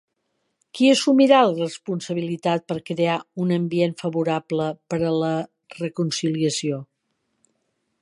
Qui assumirà la responsabilitat per crear un ambient favorable per a la reconciliació?